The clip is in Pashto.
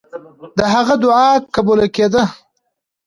د هغه دعا قبوله کېده.